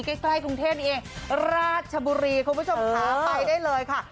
ใกล้กรุงเทพนี้เองราชบุรีคุณผู้ชมขาไปได้เลยค่ะ